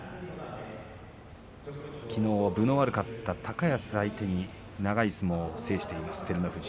きのう分の悪かった高安を相手に長い相撲を制しました照ノ富士。